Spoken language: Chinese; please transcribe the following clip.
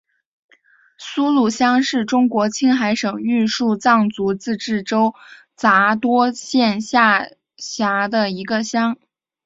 苏鲁乡是中国青海省玉树藏族自治州杂多县下辖的一个乡。